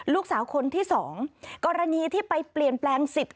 ลูกสาวคนที่สองกรณีที่ไปเปลี่ยนแปลงสิทธิ์